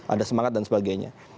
ada semangat dan sebagainya